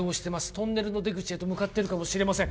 「トンネルの出口へと向かってるかもしれません」